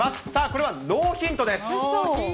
これはノーヒントです。